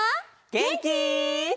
げんき？